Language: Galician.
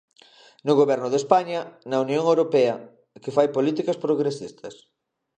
No Goberno de España, na Unión Europea, que fai políticas progresistas.